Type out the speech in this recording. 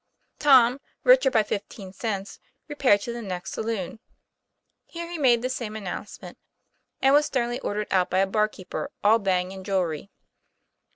Tom, richer by fifteen cents, repaired to the next saloon. Here he made the same announcement, and was sternly ordered out by a barkeeper all bang and jewelry.